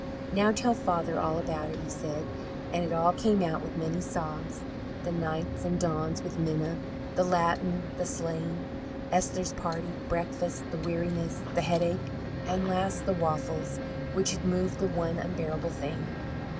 "Now tell father all about it," he said. And it all came out with many sobs the nights and dawns with Minna, the Latin, the sleighing, Esther's party, breakfast, the weariness, the headache; and last the waffles, which had moved the one unbearable thing.